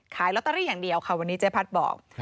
ขายลอตเตอรี่อย่างเดียวค่ะวันนี้เจ๊พัดบอก